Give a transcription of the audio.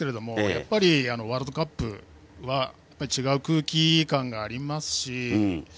やっぱりワールドカップは違う空気感がありますし。